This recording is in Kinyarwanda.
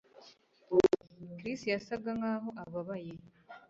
Chris yasaga nkaho ababaye